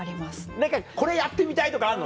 何かこれやってみたいとかあんの？